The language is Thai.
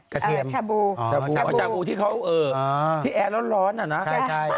กระเทียมชาบูชาบูที่เขาเอ่อที่แอร์ร้อนน่ะนะใช่